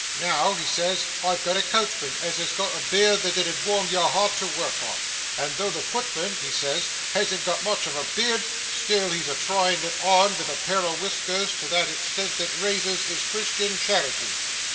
Now," he says, "I've got a coachman as has got a beard that it 'ud warm your heart to work on, and though the footman," he says, "hasn't got much of a beard, still he's a trying it on vith a pair o' viskers to that extent that razors is Christian charity.